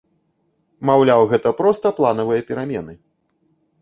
Маўляў, гэта проста планавыя перамены.